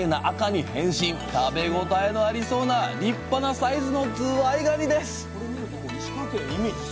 食べごたえのありそうな立派なサイズのずわいがにです！